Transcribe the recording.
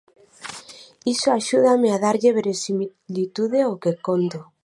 Iso axúdame a darlle verosimilitude ao que conto.